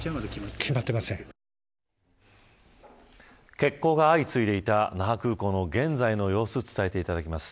欠航が相次いでいた那覇空港の現在の様子を伝えてもらいます。